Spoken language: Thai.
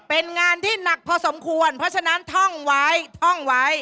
เป็นงานที่หนักพอสมควรเพราะฉะนั้นท่องไว้ท่องไว้